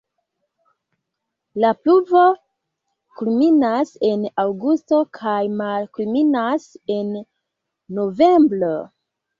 La pluvo kulminas en aŭgusto kaj malkulminas en novembro.